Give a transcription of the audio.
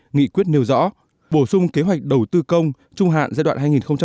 nghị quyết nêu rõ bổ sung kế hoạch đầu tư công trung hạn giai đoạn hai nghìn một mươi sáu hai nghìn hai mươi